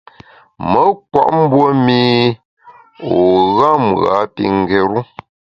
Me nkwet mbue mî u gham ghâ pi ngéru.